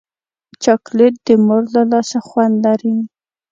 چاکلېټ د مور له لاسه خوند لري.